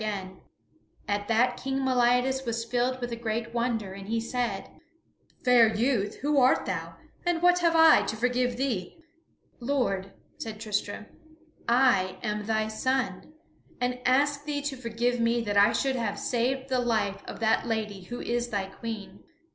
[Sidenote: King Meliadus is reconciled to Tristram] At that King Meliadus was filled with a great wonder, and he said: "Fair youth, who art thou, and what have I to forgive thee?" "Lord," said Tristram, "I am thy son, and ask thee to forgive me that I should have saved the life of that lady who is thy Queen."